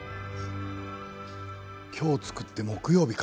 きょう作って木曜日か。